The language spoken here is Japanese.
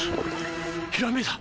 ひらめいた！